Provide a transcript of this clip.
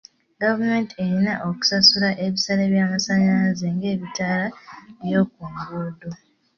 Gavumenti erina okusasula ebisale by'amasannyalazze g'ebitaala by'oku nguudo.